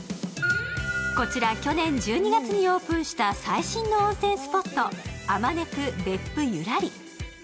こちら去年１２月にオープンした最新の温泉スポット、アマネク別府ゆらり。